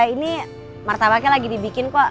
ini martabaknya lagi dibikin kok